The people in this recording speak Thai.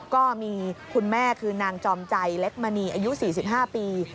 ก็มีคุณแม่คือนางจอมใจเล็กมณีอายุ๔๕ปี